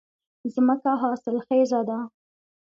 ځمکه حاصلخېزه ده